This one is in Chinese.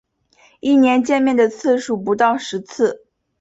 一年见面的次数不到十次